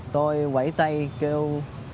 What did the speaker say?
tôi quẩy tay kêu